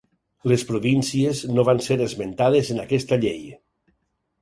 Les províncies no van ser esmentades en aquesta llei.